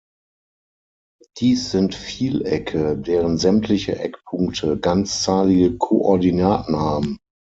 Dies sind Vielecke, deren sämtliche Eckpunkte ganzzahlige Koordinaten haben.